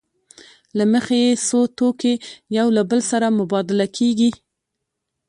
له مخې یې څو توکي یو له بل سره مبادله کېږي